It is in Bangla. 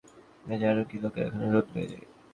জানো, কিছু লোকের এখানে রোদ লেগে যায়।